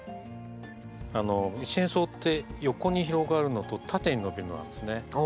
一年草って横に広がるのと縦に伸びるのがあるんですね。